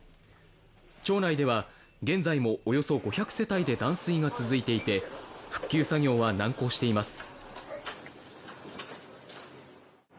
町内では現在もおよそ５００世帯で断水が続いていて、復旧作業は難航しています。